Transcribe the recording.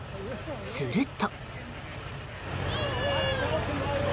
すると。